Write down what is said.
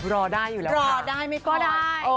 รอได้อยู่แล้วค่ะ